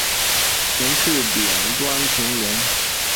前翅顶端平圆。